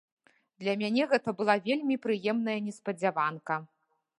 Для мяне гэта была вельмі прыемная неспадзяванка.